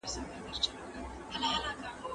د انټرنیټ له لاري د بنو د جلسې تر لیدووروسته.